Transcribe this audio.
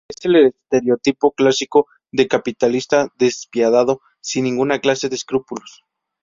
Es el estereotipo clásico de capitalista despiadado y sin ninguna clase de escrúpulos.